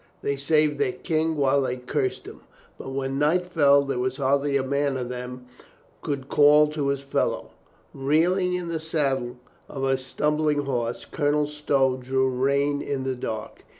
They saved their King while they cursed him. But when night fell there was hardly a man of them could call to his fellow. Reeling in the saddle of a stumbling horse, Colonel Stow drew rein in the dark.